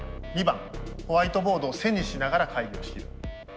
２番ホワイトボードを背にしながら会議を仕切る。